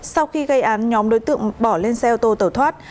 sau khi gây án nhóm đối tượng bỏ lên xe ô tô tẩu thoát